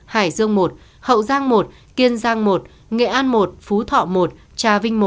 hải dương một hậu giang một kiên giang một nghệ an một phú thọ một trà vinh một